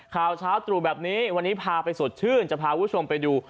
ข่าวเช้าตรู่แบบนี้วันนี้พาไปสดชื่นจะพาคุณผู้ชมไปดู